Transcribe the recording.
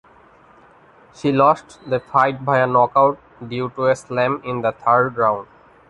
She lost the fight via knockout due to a slam in the third round.